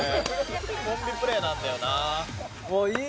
コンビプレーなんだよな。